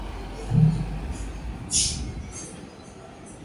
La mitad de su vida transcurrida la dedicó al trabajo administrativo y comercial.